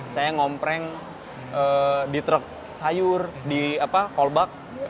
saya ngompreng di truk sayur di kolbak